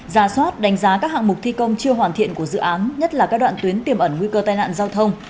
ra soát đánh giá các hạng mục thi công chưa hoàn thiện của dự án nhất là các đoạn tuyến tiềm ẩn nguy cơ tai nạn giao thông